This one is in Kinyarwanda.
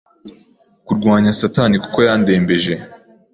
kurwanya Satani kuko yarandembeje